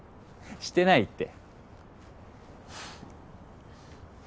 してないって。